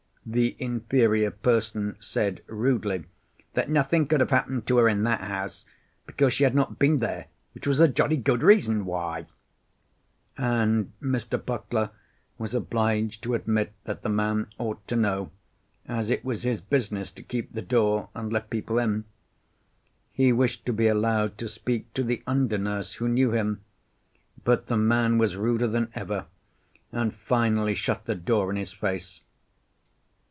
The inferior person said rudely that "nothing could have happened to her in that house, because she had not been there, which was a jolly good reason why;" and Mr. Puckler was obliged to admit that the man ought to know, as it was his business to keep the door and let people in. He wished to be allowed to speak to the under nurse, who knew him; but the man was ruder than ever, and finally shut the door in his face.